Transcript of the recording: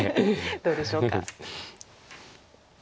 どうでしょうか。